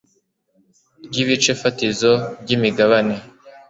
nyir ibice fatizo by imigabane